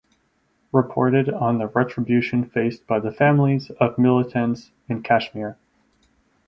Reported on the retribution faced by the Families of Militants in Kashmir.